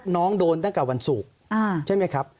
น้องโดนตั้งแต่วันศุกร์ใช่ไหมครับ